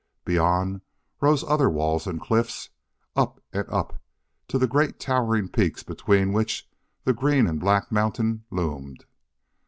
Beyond rose other walls and cliffs, up and up to the great towering peaks between which the green and black mountain loomed.